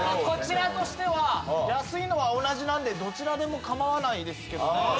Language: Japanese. こちらとしては安いのは同じなんでどちらでも構わないですけどね。